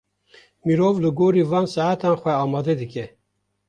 Mirov li gorî van saetan xwe amade dike.